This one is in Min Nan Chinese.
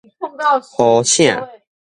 呼請